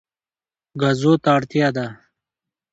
ګازو ته اړتیا ده.